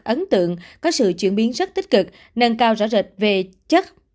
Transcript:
ấn tượng có sự chuyển biến rất tích cực nâng cao rõ rệt về chất